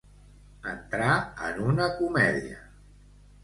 Entrar en una comèdia.